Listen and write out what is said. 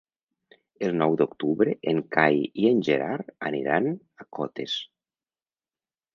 El nou d'octubre en Cai i en Gerard aniran a Cotes.